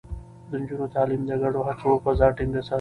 د نجونو تعليم د ګډو هڅو فضا ټينګه ساتي.